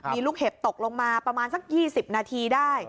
มีลูกเห็บตกลงมาประมาณสัก๒๐นาทีได้